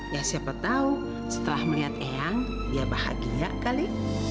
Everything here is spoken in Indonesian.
ya siapa tahu setelah melihat eyang dia bahagia kali